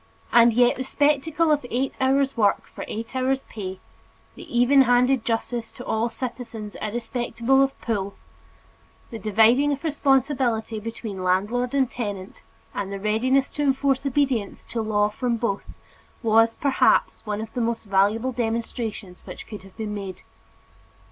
And yet the spectacle of eight hours' work for eight hours' pay, the even handed justice to all citizens irrespective of "pull," the dividing of responsibility between landlord and tenant, and the readiness to enforce obedience to law from both, was, perhaps, one of the most valuable demonstrations which could have been made.